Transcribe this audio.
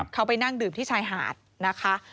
เขาไปนั่งดื่มที่ชายหาดนะคะ